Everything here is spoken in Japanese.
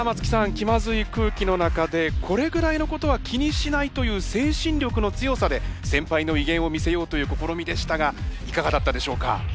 気まずい空気の中でこれぐらいのことは気にしないという精神力の強さで先輩の威厳を見せようという試みでしたがいかがだったでしょうか？